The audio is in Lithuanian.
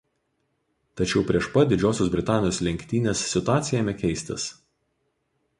Tačiau prieš pat Didžiosios Britanijos lenktynės situacija ėmė keistis.